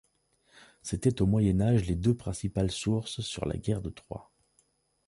C'étaient au Moyen Âge les deux principales sources sur la guerre de Troie.